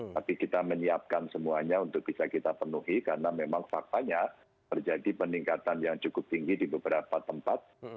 tapi kita menyiapkan semuanya untuk bisa kita penuhi karena memang faktanya terjadi peningkatan yang cukup tinggi di beberapa tempat